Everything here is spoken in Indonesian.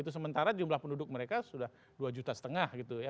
sementara jumlah penduduk mereka sudah dua juta setengah gitu ya